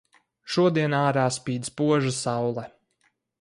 Šodien ārā spīd spoža saule.